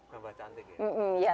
nambah cantik ya